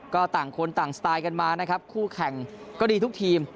ก็ต่างคนต่างสไตล์กันมานะครับคู่แข่งก็ดีทุกทีม